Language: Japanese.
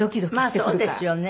そうですよね。